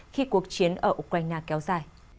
khi cuộc chiến ở ukraine kéo dài